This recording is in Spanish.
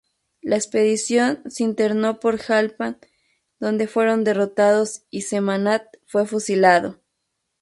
La expedición se internó por Jalpa donde fueron derrotados y Sentmanat fue fusilado.